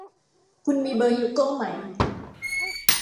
คุณมีเบอร์ฮิวโก้ไหม